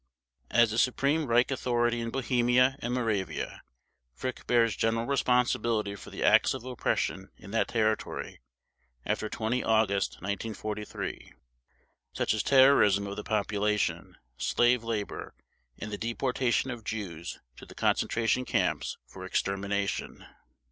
As the Supreme Reich Authority in Bohemia and Moravia, Frick bears general responsibility for the acts of oppression in that territory after 20 August 1943, such as terrorism of the population, slave labor, and the deportation of Jews to the concentration camps for extermination.